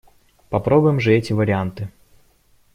Попробуем же эти варианты!